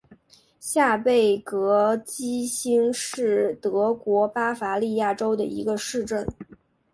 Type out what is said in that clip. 下贝格基兴是德国巴伐利亚州的一个市镇。